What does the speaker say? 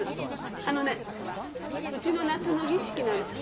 あのねうちの夏の儀式なの。